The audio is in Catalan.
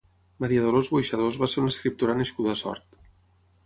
Maria Dolors Boixadós va ser una escriptora nascuda a Sort.